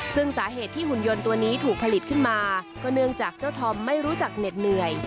ซึ่งสาเหตุที่หุ่นยนต์ตัวนี้ถูกผลิตขึ้นมาก็เนื่องจากเจ้าธอมไม่รู้จักเหน็ดเหนื่อย